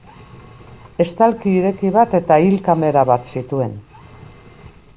Estalki ireki bat eta hil kamera bat zituen.